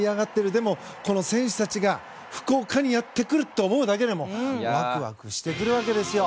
でも、選手たちが福岡にやってくると思うだけでもワクワクしてくるわけですよ。